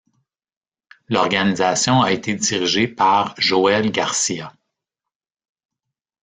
L'organisation a été dirigée par Joel Garcia.